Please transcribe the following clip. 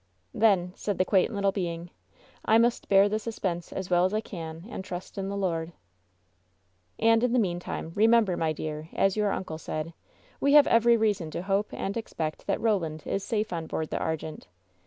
"Then," said the quaint little being, "1 must bear the suspense as well as I can and trust in the Lord." "And, in the meantime, remember, my dear, as your uncle said, we have every reason to hope and expect that Eoland is safe on board the Argente.